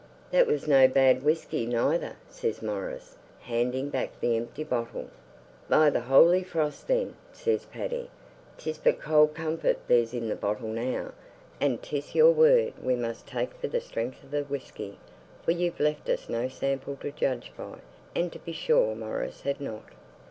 'That was no bad whisky neither,' says Maurice, handing back the empty bottle. 'By the holy frost, then!' says Paddy, ''tis but cold comfort there's in that bottle now; and 'tis your word we must take for the strength of the whisky, for you've left us no sample to judge by'; and to be sure Maurice had not.